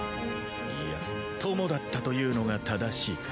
いや友だったというのが正しいか。